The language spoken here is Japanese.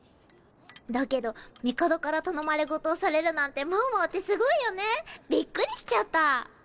だけど帝から頼まれ事をされるなんて猫猫ってすごいよねびっくりしちゃった。